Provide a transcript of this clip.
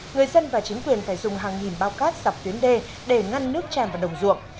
người dân và chính quyền phải dùng hàng nghìn bao cát dọc tuyến đê để ngăn nước tràn vào đồng ruộng